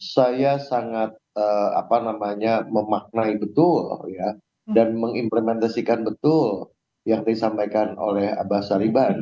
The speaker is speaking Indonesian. saya sangat memaknai betul dan mengimplementasikan betul yang disampaikan oleh abah sariban